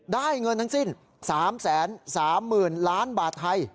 ได้เงินทั้งสิ้น๓๓๐๐๐ล้านบาทไทย